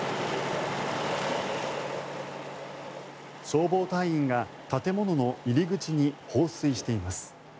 消防隊員が建物の入り口に放水しています。